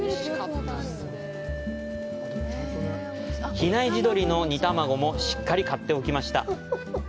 比内地鶏の煮卵もしっかり買っておきました。